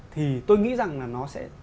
thì tôi nghĩ rằng là nó sẽ